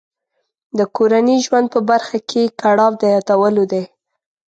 د کورني ژوند په برخه کې یې کړاو د یادولو دی.